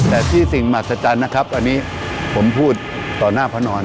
แต่ที่สิ่งมหัศจรรย์นะครับอันนี้ผมพูดต่อหน้าพระนอน